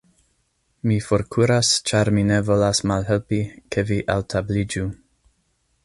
Mi forkuras; ĉar mi ne volas malhelpi, ke vi altabliĝu.